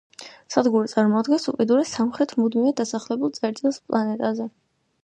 სადგური წარმოადგენს უკიდურეს სამხრეთ მუდმივად დასახლებულ წერტილს პლანეტაზე.